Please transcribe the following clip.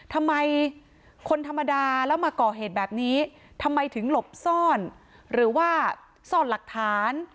ทำไมคนธรรมดาแล้วมาก่อเหตุแบบนี้ทำไมถึงหลบซ่อนหรือว่าซ่อนหลักฐาน